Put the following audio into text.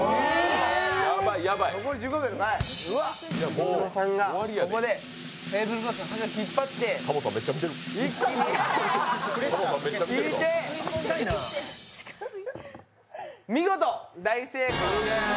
木村さんがここでテーブルクロスの布を引っ張って見事、大成功！